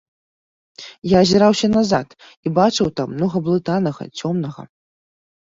Я азіраўся назад і бачыў там многа блытанага, цёмнага.